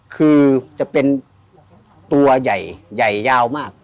คือจะเป็นตัวใหญ่ใหญ่ยาวมาก